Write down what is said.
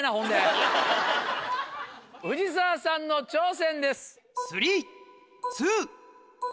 藤澤さんの挑戦です。